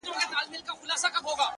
ولي مي هره شېبه. هر ساعت پر اور کړوې.